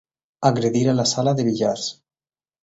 Agredir a la sala de billars.